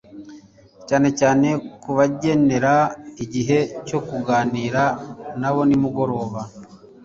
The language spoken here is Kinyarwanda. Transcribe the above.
cyanecyane kubagenera igihe cyo kuganira na bonimugoroba